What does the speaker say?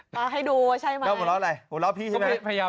พร้อมให้ดูว่าใช่ไหม